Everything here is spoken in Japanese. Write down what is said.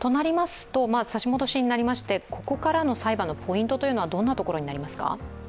差し戻しになりまして、ここからの裁判のポイントはどんなところになりますか？